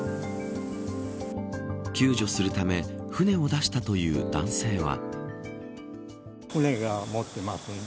救助するため船を出したという男性は。